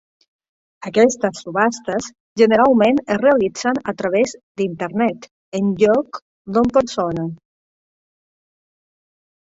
Aquestes subhastes generalment es realitzen a través d'Internet, en lloc d'en persona.